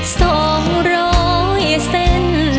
สองร้อยเส้น